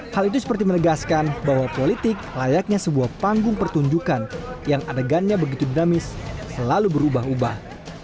hal itu seperti menegaskan bahwa politik layaknya sebuah panggung pertunjukan yang adegannya begitu dinamis selalu berubah ubah